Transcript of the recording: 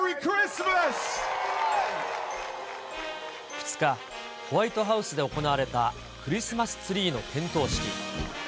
２日、ホワイトハウスで行われたクリスマスツリーの点灯式。